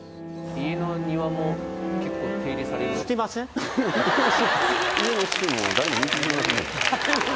家の庭も結構手入れされるんですか？